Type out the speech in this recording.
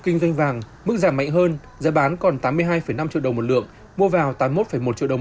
kinh doanh vàng mức giảm mạnh hơn giá bán còn tám mươi hai năm triệu đồng một lượng mua vào tám mươi một một triệu đồng